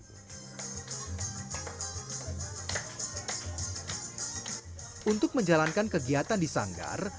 untuk menjalankan kegiatan di sanggar